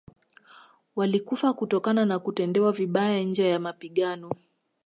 Walikufa kutokana na kutendewa vibaya nje ya mapigano